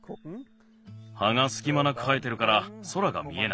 はがすきまなく生えてるから空が見えない。